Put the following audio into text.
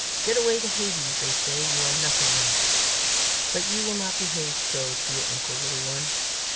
'Get away to Hades,' they say; 'you are nothing now.' But you will not behave so to your uncle, little one!